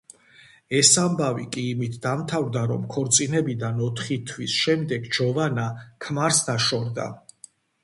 ეს ამბავი კი იმით დამთავრდა, რომ ქორწინებიდან ოთხი თვის შემდეგ ჯოვანა ქმარს დაშორდა.